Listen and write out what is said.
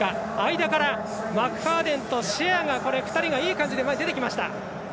間から、マクファーデンとシェアがいい感じで２人がいい感じで前に出てきました。